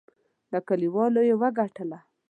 له کلیوالو یې وګټله.